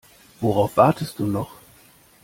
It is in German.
Worauf wartest du noch?